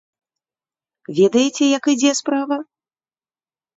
Ведаеце, як ідзе справа?